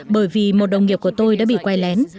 bởi vì một đồng nghiệp của tôi đã bị quay lén